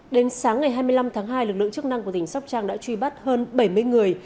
đến sáng ngày hai mươi năm tháng hai lực lượng chức năng của tỉnh sóc trang đã truy bắt hơn bảy mươi người